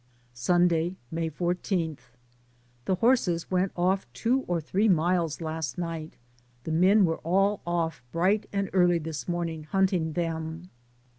Sunday, May 14. The horses went off two or three miles last night, the men were all off bright and early this morning hunting them.